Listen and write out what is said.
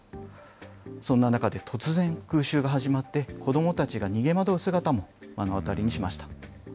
そんな中で突然空襲が始まって、子どもたちが逃げ惑う姿も目の当たりにしました。